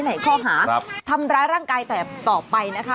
ในข้อหาทำร้ายร่างกายแต่ต่อไปนะคะ